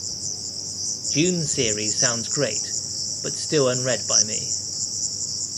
Dune series sounds great, but still unread by me.